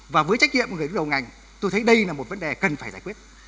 và với trách nhiệm của người đứng đầu ngành tôi thấy đây là một vấn đề cần phải giải quyết